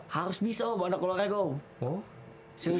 harus bisa om anak olahraga om